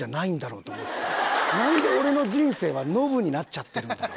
何で俺の人生はノブになっちゃってるんだろう。